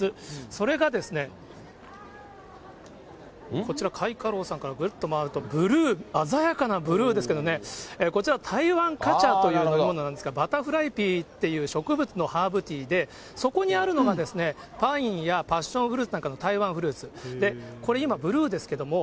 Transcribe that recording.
それがですね、こちら、かいか楼さんからぐるっと回るとブルー、鮮やかなブルーですけどね、こちら、台湾果茶という飲み物なんですが、バタフライピーという植物のハーブティーで、そこにあるのがパインやパッションフルーツなんかの台湾フルーツ。